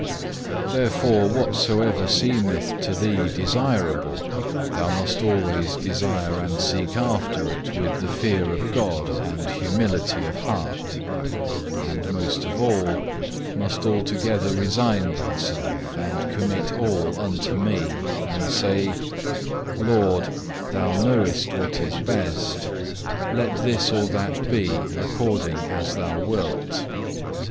2. "Therefore, whatsoever seemeth to thee desirable, thou must always desire and seek after it with the fear of God and humility of heart, and most of all, must altogether resign thyself, and commit all unto Me and say, 'Lord, thou knowest what is best; let this or that be, according as Thou wilt.